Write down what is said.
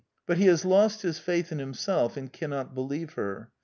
But he has lost his faith in him self, and cannot believe her.